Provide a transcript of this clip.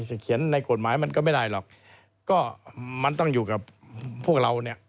เขียนในกฎหมายมันก็ไม่ได้หรอกก็มันต้องอยู่กับพวกเราเนี่ย